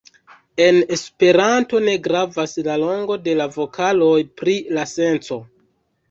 En Esperanto ne gravas la longo de la vokaloj pri la senco.